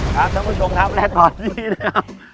ท่านผู้ชมครับและตอนนี้นะครับ